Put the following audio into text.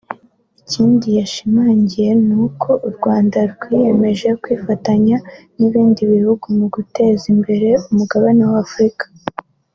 Ikindi yashimangiye ni uko u Rwanda rwiyemeje kwifatanya n’ibindi bihugu mu guteza imbere umugabane wa Afurika